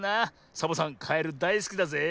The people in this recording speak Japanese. サボさんカエルだいすきだぜ。